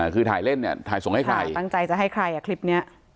คือถ่ายเล่นเนี่ยถ่ายส่งให้ใครตั้งใจจะให้ใครอ่ะคลิปนี้